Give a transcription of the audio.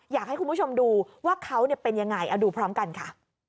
อยากให้คุณผู้ชมดูว่าเขาเป็นยังไงเอาดูพร้อมกันค่ะ